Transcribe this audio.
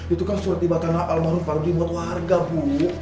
itu kan seperti bakal mahal mahluk paru di mod warga bu